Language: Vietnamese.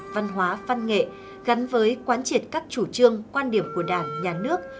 văn hóa văn nghệ gắn với quán triệt các chủ trương quan điểm của đảng nhà nước